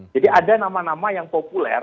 jadi ada nama nama yang populer